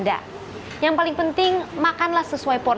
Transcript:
so jadi bibir kita tidak harus kacang